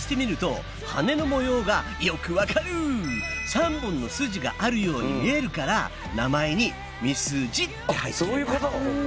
３本のスジがあるように見えるから名前に「ミスジ」って入ってるんだ。